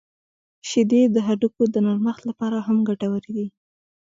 • شیدې د هډوکو د نرمښت لپاره هم ګټورې دي.